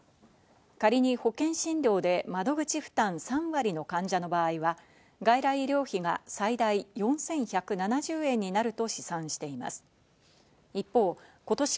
仮に保険診療で窓口負担３割の患者の場合は、外来医療費が最大４１７０円になると試算しています。